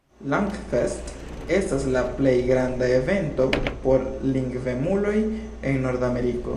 Langfest estas la plej granda evento por lingvemuloj en Nordameriko.